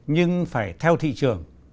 nhưng phải theo thị trường